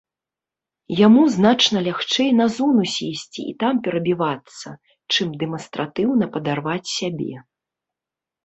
Яму значна лягчэй на зону сесці і там перабівацца, чым дэманстратыўна падарваць сябе.